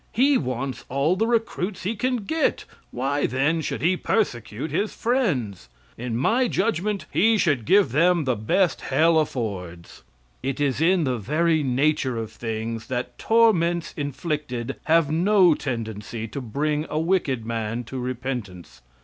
He wants all the recruits he can get; why then should he persecute his friends? In my judgment he should give them the best hell affords. It is in the very nature of things that torments inflicted have no tendency to bring a wicked man to repentance.